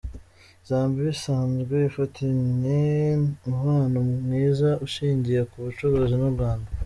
Zambia isanzwe ifitanye umubano mwiza ushingiye ku bucuruzi n’u Rwanda.